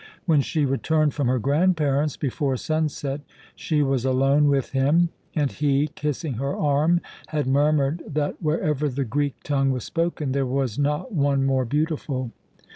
When she returned from her grandparents, before sunset, she was alone with him, and he, kissing her arm, had murmured that wherever the Greek tongue was spoken there was not one more beautiful.